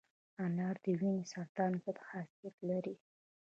انار د وینې سرطان ضد خاصیت لري.